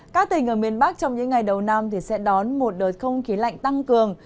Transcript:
các tỉnh ở miền bắc trong những ngày đầu năm sẽ đón một đợt không khí lạnh tăng cường